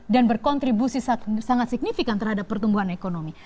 dan berkontribusi sangat signifikan terhadap pertumbuhan ekonomi